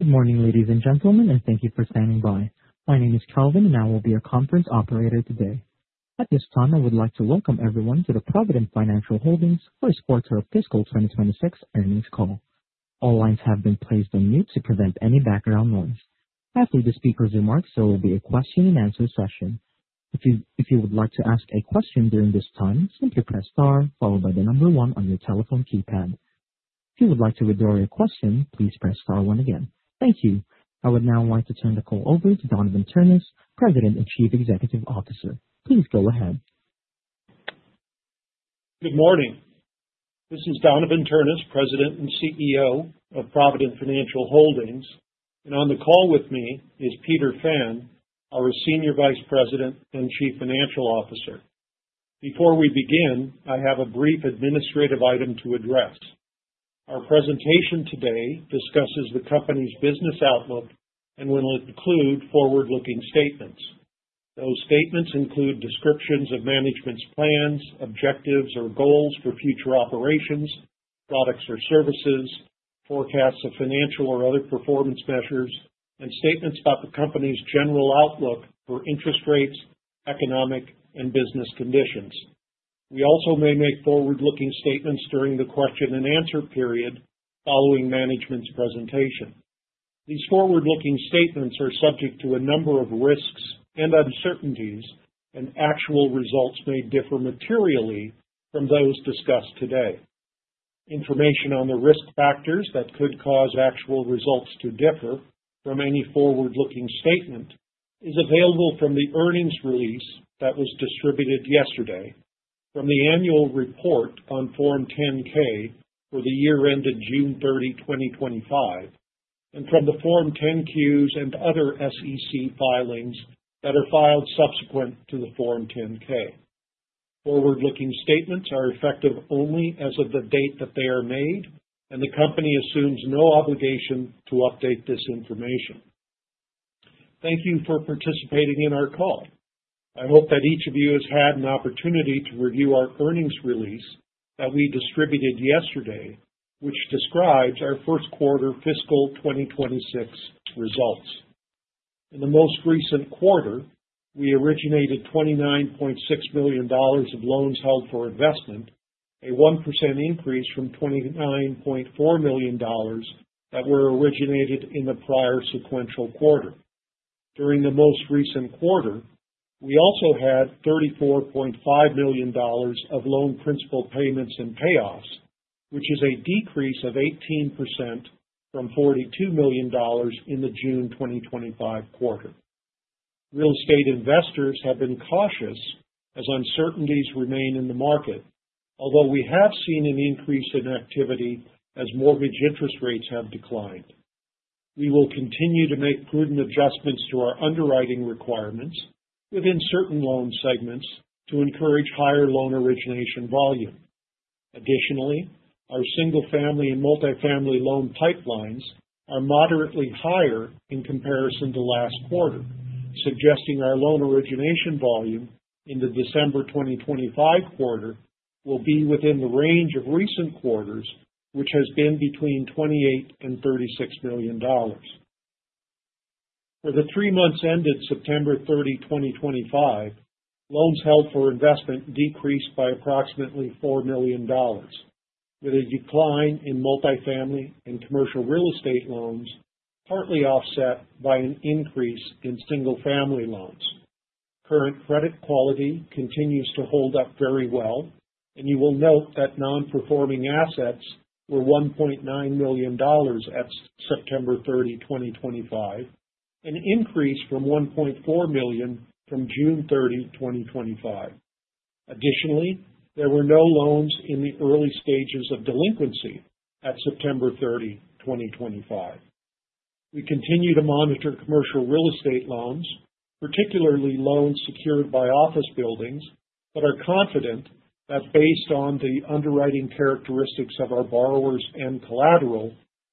Good morning, ladies and gentlemen, and thank you for standing by. My name is Kelvin, and I will be your conference operator today. At this time, I would like to welcome everyone to the Provident Financial Holdings First Quarter of Fiscal 2026 Earnings Call. All lines have been placed on mute to prevent any background noise. After the speaker's remarks, there will be a question-and-answer session. If you would like to ask a question during this time, simply press star, followed by the number one on your telephone keypad. If you would like to withdraw your question, please press star one again. Thank you. I would now like to turn the call over to Donavon Ternes, President and Chief Executive Officer. Please go ahead. Good morning. This is Donavon Ternes, President and CEO of Provident Financial Holdings. And on the call with me is Peter Fan, our Senior Vice President and Chief Financial Officer. Before we begin, I have a brief administrative item to address. Our presentation today discusses the company's business outlook and will include forward-looking statements. Those statements include descriptions of management's plans, objectives, or goals for future operations, products or services, forecasts of financial or other performance measures, and statements about the company's general outlook for interest rates, economic, and business conditions. We also may make forward-looking statements during the question-and-answer period following management's presentation. These forward-looking statements are subject to a number of risks and uncertainties, and actual results may differ materially from those discussed today. Information on the risk factors that could cause actual results to differ from any forward-looking statement is available from the earnings release that was distributed yesterday, from the annual report on Form 10-K for the year ended June 30, 2025, and from the Form 10-Qs and other SEC filings that are filed subsequent to the Form 10-K. Forward-looking statements are effective only as of the date that they are made, and the company assumes no obligation to update this information. Thank you for participating in our call. I hope that each of you has had an opportunity to review our earnings release that we distributed yesterday, which describes our first quarter fiscal 2026 results. In the most recent quarter, we originated $29.6 million of loans held for investment, a 1% increase from $29.4 million that were originated in the prior sequential quarter. During the most recent quarter, we also had $34.5 million of loan principal payments and payoffs, which is a decrease of 18% from $42 million in the June 2025 quarter. Real estate investors have been cautious as uncertainties remain in the market, although we have seen an increase in activity as mortgage interest rates have declined. We will continue to make prudent adjustments to our underwriting requirements within certain loan segments to encourage higher loan origination volume. Additionally, our single-family and multi-family loan pipelines are moderately higher in comparison to last quarter, suggesting our loan origination volume in the December 2025 quarter will be within the range of recent quarters, which has been between $28 million and $36 million. For the three months ended September 30, 2025, loans held for investment decreased by approximately $4 million, with a decline in multi-family and commercial real estate loans partly offset by an increase in single-family loans. Current credit quality continues to hold up very well, and you will note that non-performing assets were $1.9 million at September 30, 2025, an increase from $1.4 million from June 30, 2025. Additionally, there were no loans in the early stages of delinquency at September 30, 2025. We continue to monitor commercial real estate loans, particularly loans secured by office buildings, but are confident that, based on the underwriting characteristics of our borrowers and collateral,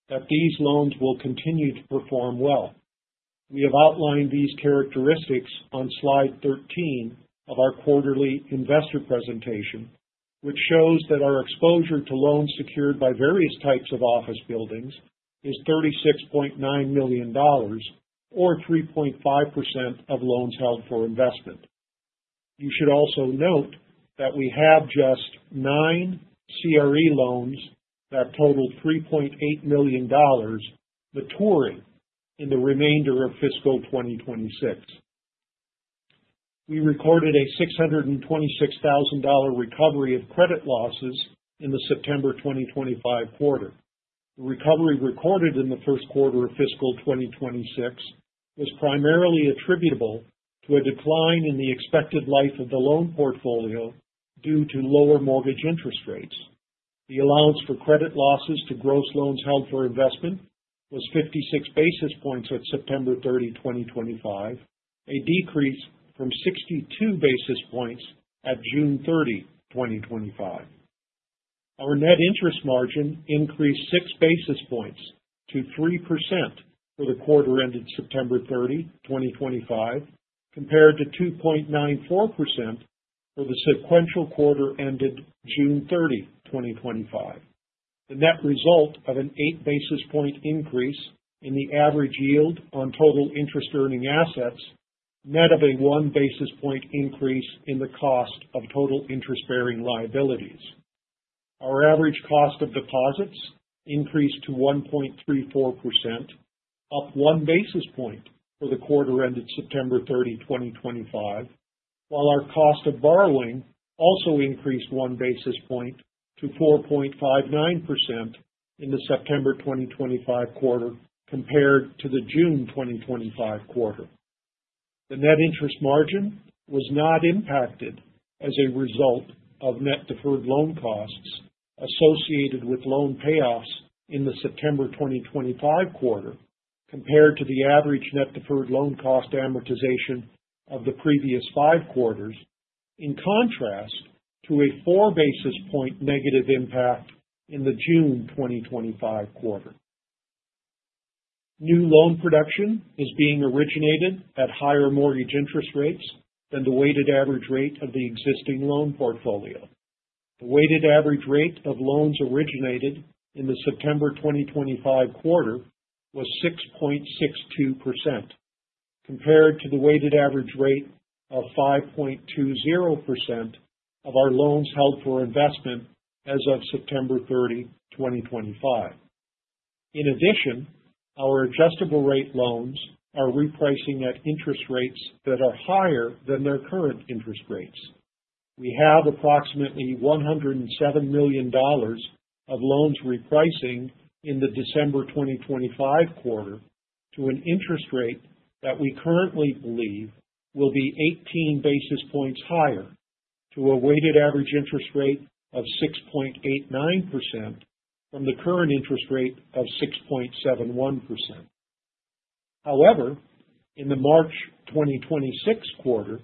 these loans will continue to perform well. We have outlined these characteristics on slide 13 of our quarterly investor presentation, which shows that our exposure to loans secured by various types of office buildings is $36.9 million, or 3.5% of loans held for investment. You should also note that we have just nine CRE loans that totaled $3.8 million maturing in the remainder of fiscal 2026. We recorded a $626,000 recovery of credit losses in the September 2025 quarter. The recovery recorded in the first quarter of fiscal 2026 was primarily attributable to a decline in the expected life of the loan portfolio due to lower mortgage interest rates. The allowance for credit losses to gross loans held for investment was 56 basis points at September 30, 2025, a decrease from 62 basis points at June 30, 2025. Our net interest margin increased six basis points to 3% for the quarter ended September 30, 2025, compared to 2.94% for the sequential quarter ended June 30, 2025. The net result of an eight basis point increase in the average yield on total interest-earning assets met a one basis point increase in the cost of total interest-bearing liabilities. Our average cost of deposits increased to 1.34%, up one basis point for the quarter ended September 30, 2025, while our cost of borrowing also increased one basis point to 4.59% in the September 2025 quarter compared to the June 2025 quarter. The net interest margin was not impacted as a result of net deferred loan costs associated with loan payoffs in the September 2025 quarter compared to the average net deferred loan cost amortization of the previous five quarters, in contrast to a four basis point negative impact in the June 2025 quarter. New loan production is being originated at higher mortgage interest rates than the weighted average rate of the existing loan portfolio. The weighted average rate of loans originated in the September 2025 quarter was 6.62%, compared to the weighted average rate of 5.20% of our loans held for investment as of September 30, 2025. In addition, our adjustable-rate loans are repricing at interest rates that are higher than their current interest rates. We have approximately $107 million of loans repricing in the December 2025 quarter to an interest rate that we currently believe will be 18 basis points higher to a weighted average interest rate of 6.89% from the current interest rate of 6.71%. However, in the March 2026 quarter,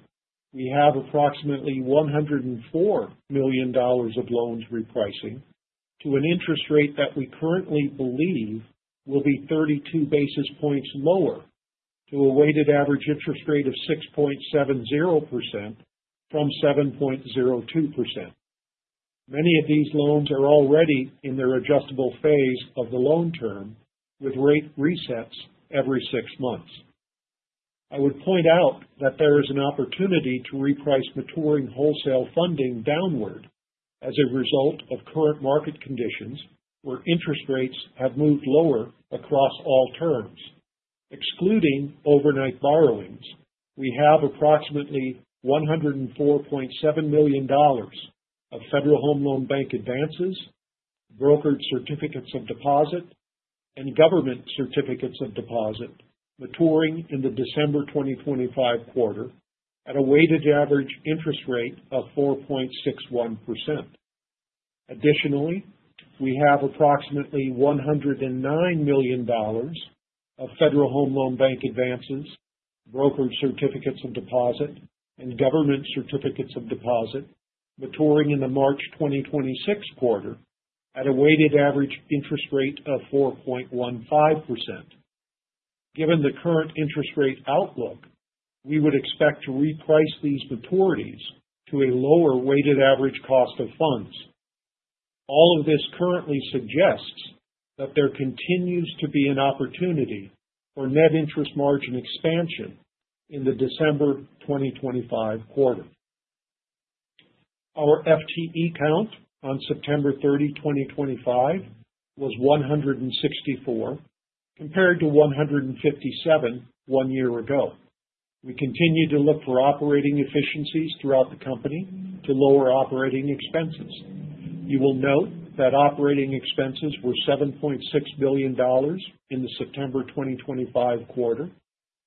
we have approximately $104 million of loans repricing to an interest rate that we currently believe will be 32 basis points lower to a weighted average interest rate of 6.70% from 7.02%. Many of these loans are already in their adjustable phase of the loan term with rate resets every six months. I would point out that there is an opportunity to reprice maturing wholesale funding downward as a result of current market conditions where interest rates have moved lower across all terms. Excluding overnight borrowings, we have approximately $104.7 million of Federal Home Loan Bank advances, brokered certificates of deposit, and government certificates of deposit maturing in the December 2025 quarter at a weighted average interest rate of 4.61%. Additionally, we have approximately $109 million of Federal Home Loan Bank advances, brokered certificates of deposit, and government certificates of deposit maturing in the March 2026 quarter at a weighted average interest rate of 4.15%. Given the current interest rate outlook, we would expect to reprice these maturities to a lower weighted average cost of funds. All of this currently suggests that there continues to be an opportunity for net interest margin expansion in the December 2025 quarter. Our FTE count on September 30, 2025, was 164, compared to 157 one year ago. We continue to look for operating efficiencies throughout the company to lower operating expenses. You will note that operating expenses were $7.6 billion in the September 2025 quarter,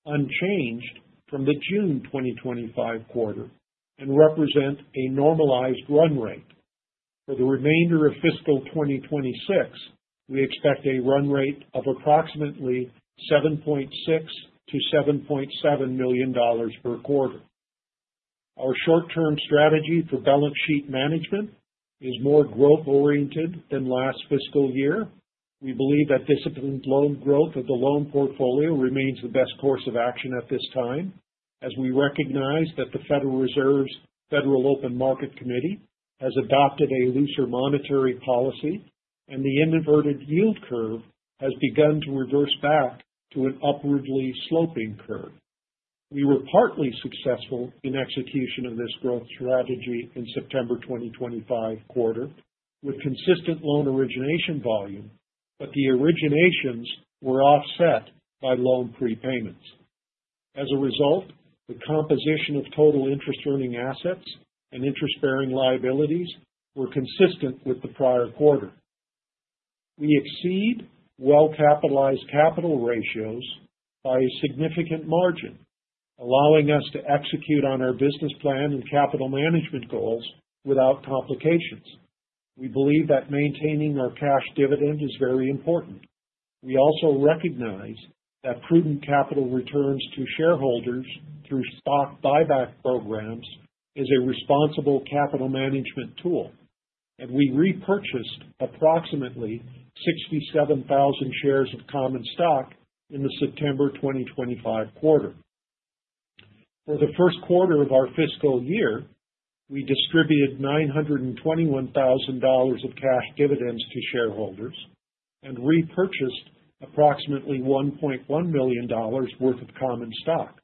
unchanged from the June 2025 quarter, and represent a normalized run rate. For the remainder of fiscal 2026, we expect a run rate of approximately $7.6-$7.7 million per quarter. Our short-term strategy for balance sheet management is more growth-oriented than last fiscal year. We believe that disciplined loan growth of the loan portfolio remains the best course of action at this time, as we recognize that the Federal Reserve's Federal Open Market Committee has adopted a looser monetary policy, and the inverted yield curve has begun to reverse back to an upwardly sloping curve. We were partly successful in execution of this growth strategy in September 2025 quarter with consistent loan origination volume, but the originations were offset by loan prepayments. As a result, the composition of total interest-earning assets and interest-bearing liabilities were consistent with the prior quarter. We exceed well-capitalized capital ratios by a significant margin, allowing us to execute on our business plan and capital management goals without complications. We believe that maintaining our cash dividend is very important. We also recognize that prudent capital returns to shareholders through stock buyback programs is a responsible capital management tool, and we repurchased approximately 67,000 shares of common stock in the September 2025 quarter. For the first quarter of our fiscal year, we distributed $921,000 of cash dividends to shareholders and repurchased approximately $1.1 million worth of common stock.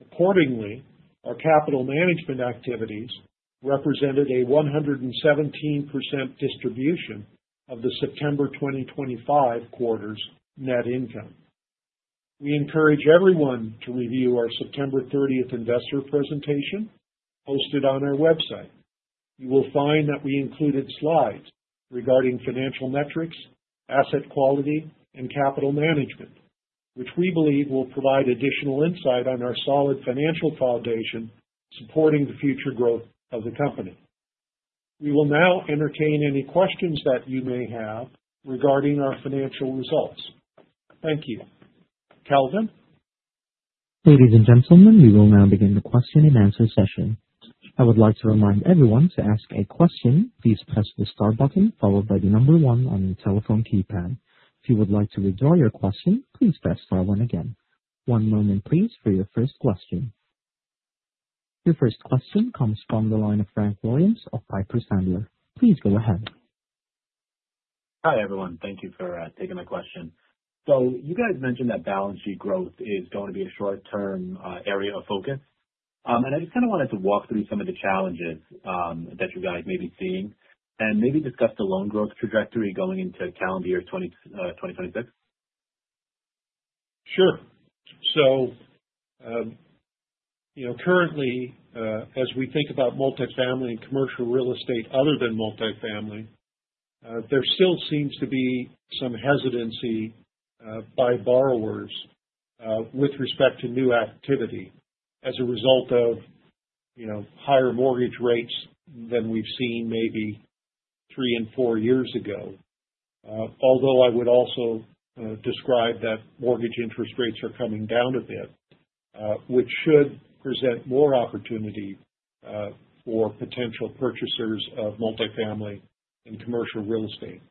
Accordingly, our capital management activities represented a 117% distribution of the September 2025 quarter's net income. We encourage everyone to review our September 30 investor presentation posted on our website. You will find that we included slides regarding financial metrics, asset quality, and capital management, which we believe will provide additional insight on our solid financial foundation supporting the future growth of the company. We will now entertain any questions that you may have regarding our financial results. Thank you. Kelvin? Ladies and gentlemen, we will now begin the question-and-answer session. I would like to remind everyone to ask a question. Please press the star button followed by the number one on the telephone keypad. If you would like to withdraw your question, please press star one again. One moment, please, for your first question. Your first question comes from the line of Frank Williams of Piper Sandler. Please go ahead. Hi everyone. Thank you for taking my question. So you guys mentioned that balance sheet growth is going to be a short-term area of focus. And I just kind of wanted to walk through some of the challenges that you guys may be seeing and maybe discuss the loan growth trajectory going into calendar year 2026. Sure. So, you know, currently, as we think about multi-family and commercial real estate other than multi-family, there still seems to be some hesitancy by borrowers with respect to new activity as a result of, you know, higher mortgage rates than we've seen maybe three and four years ago. Although I would also describe that mortgage interest rates are coming down a bit, which should present more opportunity for potential purchasers of multi-family and commercial real estate.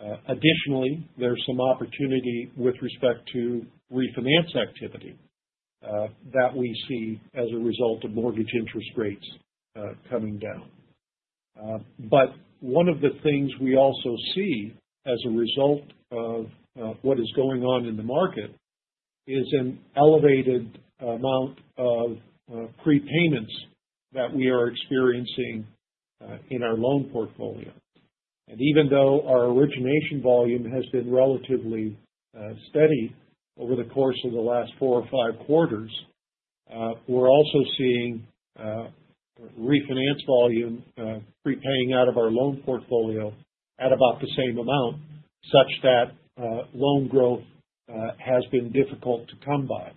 Additionally, there's some opportunity with respect to refinance activity that we see as a result of mortgage interest rates coming down. But one of the things we also see as a result of what is going on in the market is an elevated amount of prepayments that we are experiencing in our loan portfolio. And even though our origination volume has been relatively steady over the course of the last four or five quarters, we're also seeing refinance volume prepaying out of our loan portfolio at about the same amount, such that loan growth has been difficult to come by.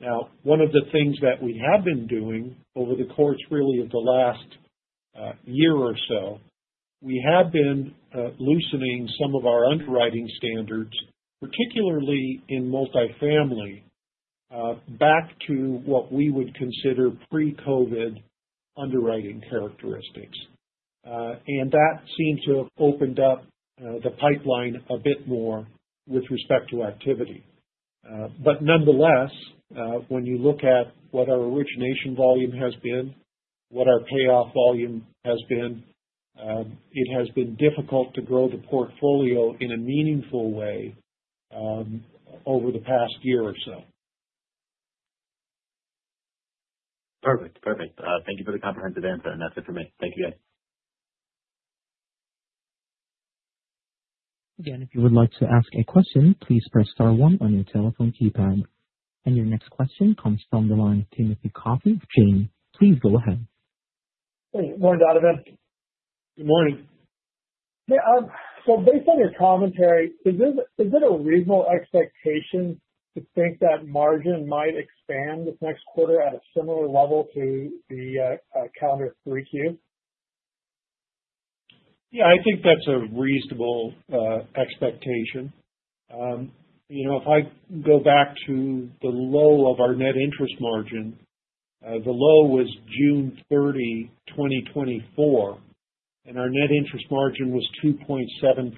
Now, one of the things that we have been doing over the course really of the last year or so, we have been loosening some of our underwriting standards, particularly in multi-family, back to what we would consider pre-COVID underwriting characteristics. And that seems to have opened up the pipeline a bit more with respect to activity. But nonetheless, when you look at what our origination volume has been, what our payoff volume has been, it has been difficult to grow the portfolio in a meaningful way over the past year or so. Perfect. Perfect. Thank you for the comprehensive answer. And that's it for me. Thank you, guys. Again, if you would like to ask a question, please press star one on your telephone keypad. And your next question comes from the line of Timothy Coffey of Janney. Please go ahead. Hey. Morning, Donavon. Good morning. Yeah. So based on your commentary, is it a reasonable expectation to think that margin might expand this next quarter at a similar level to the calendar 3Q? Yeah, I think that's a reasonable expectation. You know, if I go back to the low of our net interest margin, the low was June 30, 2024, and our net interest margin was 2.74%,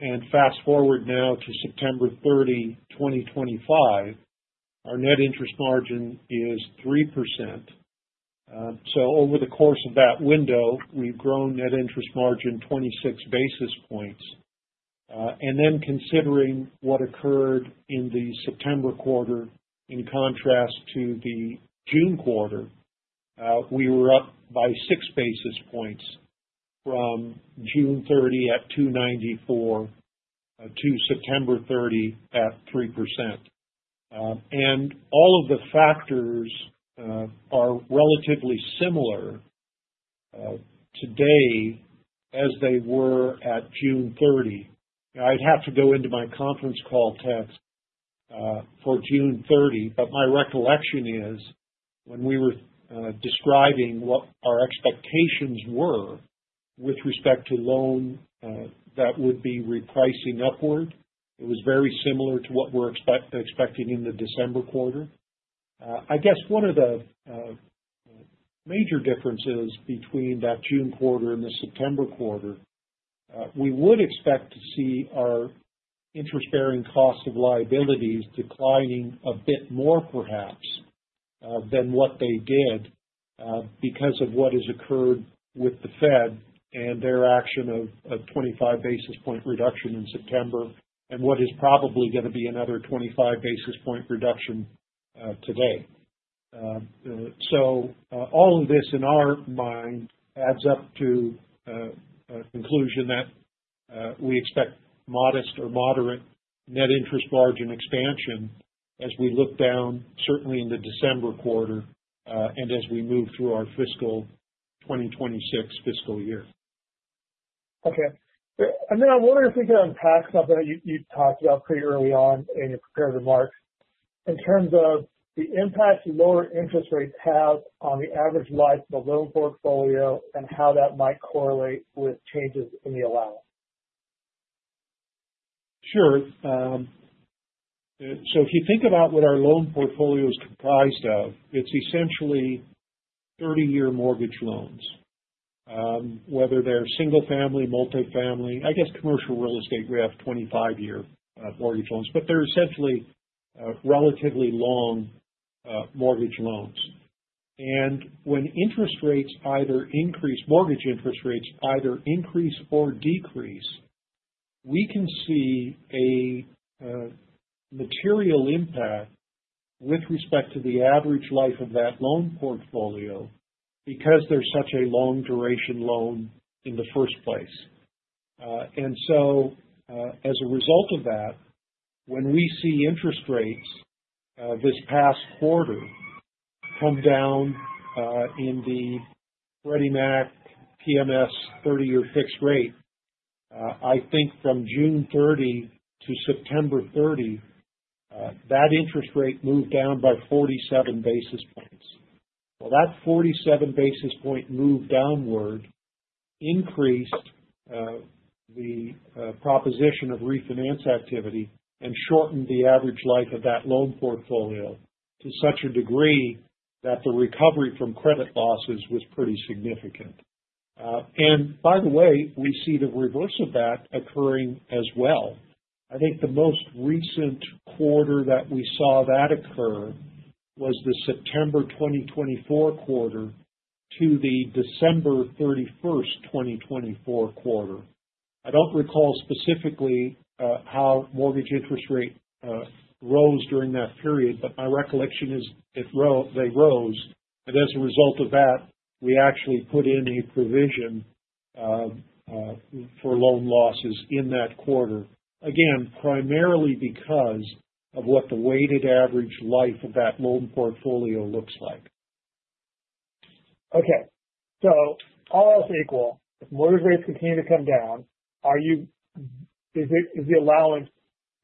and fast forward now to September 30, 2025, our net interest margin is 3%, so over the course of that window, we've grown net interest margin 26 basis points, and then considering what occurred in the September quarter in contrast to the June quarter, we were up by six basis points from June 30 at 2.94% to September 30 at 3%, and all of the factors are relatively similar today as they were at June 30. I'd have to go into my conference call text for June 30, but my recollection is when we were describing what our expectations were with respect to loan that would be repricing upward, it was very similar to what we're expecting in the December quarter. I guess one of the major differences between that June quarter and the September quarter, we would expect to see our interest-bearing cost of liabilities declining a bit more perhaps than what they did because of what has occurred with the Fed and their action of a 25 basis point reduction in September and what is probably going to be another 25 basis point reduction today. So, all of this in our mind adds up to a conclusion that we expect modest or moderate net interest margin expansion as we look down certainly in the December quarter and as we move through our fiscal 2026 fiscal year. Okay. And then I wonder if we can unpack something that you talked about pretty early on in your prepared remarks in terms of the impact lower interest rates have on the average life of the loan portfolio and how that might correlate with changes in the allowance? Sure. So if you think about what our loan portfolio is comprised of, it's essentially 30-year mortgage loans, whether they're single-family, multi-family. I guess commercial real estate, we have 25-year mortgage loans, but they're essentially relatively long mortgage loans. And when interest rates either increase, mortgage interest rates either increase or decrease, we can see a material impact with respect to the average life of that loan portfolio because they're such a long-duration loan in the first place. And so as a result of that, when we see interest rates this past quarter come down in the Freddie Mac PMMS 30-year fixed rate, I think from June 30 to September 30, that interest rate moved down by 47 basis points. Well, that 47 basis point move downward increased the proposition of refinance activity and shortened the average life of that loan portfolio to such a degree that the recovery from credit losses was pretty significant. And by the way, we see the reverse of that occurring as well. I think the most recent quarter that we saw that occur was the September 2024 quarter to the December 31st, 2024 quarter. I don't recall specifically how mortgage interest rate rose during that period, but my recollection is they rose. And as a result of that, we actually put in a provision for loan losses in that quarter, again, primarily because of what the weighted average life of that loan portfolio looks like. Okay. So all else equal, if mortgage rates continue to come down, are you, is the allowance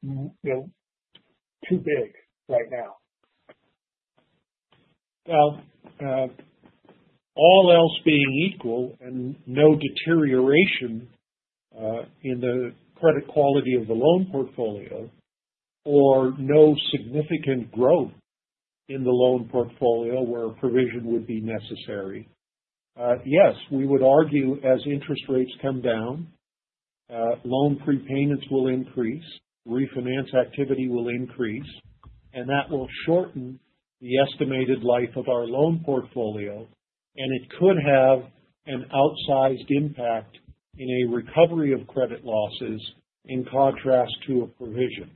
too big right now? Well, all else being equal and no deterioration in the credit quality of the loan portfolio or no significant growth in the loan portfolio where a provision would be necessary. Yes, we would argue as interest rates come down, loan prepayments will increase, refinance activity will increase, and that will shorten the estimated life of our loan portfolio. And it could have an outsized impact in a recovery of credit losses in contrast to a provision.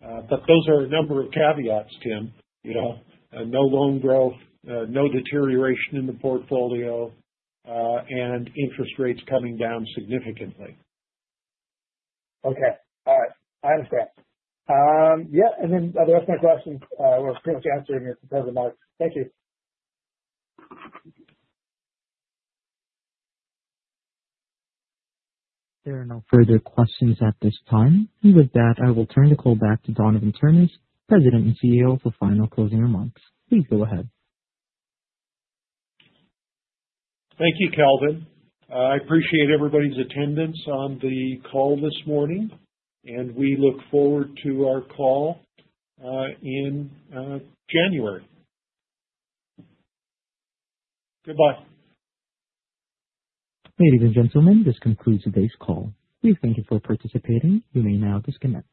But those are a number of caveats, Tim. You know, no loan growth, no deterioration in the portfolio, and interest rates coming down significantly. Okay. All right. I understand. Yeah. And then the rest of my questions were pretty much answered in your prepared remarks. Thank you. There are no further questions at this time. With that, I will turn the call back to Donavon Ternes, President and CEO, for final closing remarks. Please go ahead. Thank you, Kelvin. I appreciate everybody's attendance on the call this morning, and we look forward to our call in January. Goodbye. Ladies and gentlemen, this concludes today's call. We thank you for participating. You may now disconnect.